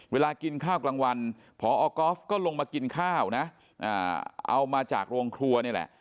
เวลากินข้าวกลางวันพอก๊อฟก็ลงมากินข้าวนะเอามาจากโรงครัวนี่แหละ